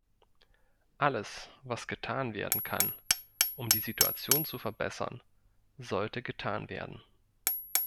Alles, was getan werden kann, um die Situation zu verbessern, sollte getan werden.